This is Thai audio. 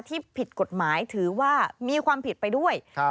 ที่ผิดกฎหมายถือว่ามีความผิดไปด้วย